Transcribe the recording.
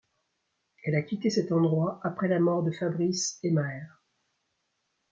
Elle a quitté cet endroit après la mort de Fabrice Emaer.